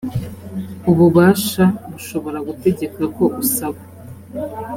ububasha bushobora gutegeka ko usaba